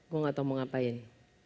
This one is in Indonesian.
gue gak tau mau ngapain